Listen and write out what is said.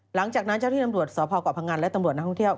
หลังจากนั้นเจ้าที่ตำรวจสพเกาะพังงันและตำรวจนักท่องเที่ยว